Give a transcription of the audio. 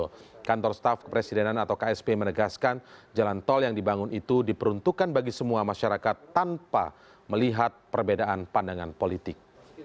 karena kantor staf kepresidenan atau ksp menegaskan jalan tol yang dibangun itu diperuntukkan bagi semua masyarakat tanpa melihat perbedaan pandangan politik